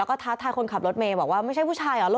แล้วก็ทักทายคนขับรถเมฆบอกว่าไม่ใช่ผู้ชายหรอ